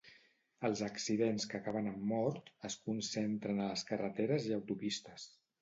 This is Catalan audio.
Els accidents que acaben amb mort es concentren a les carreteres i autopistes.